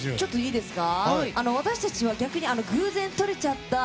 いいですね。